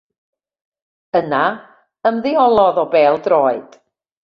Yna, ymddeolodd o bêl-droed.